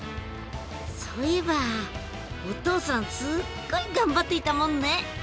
そういえばお父さんすっごい頑張っていたもんね！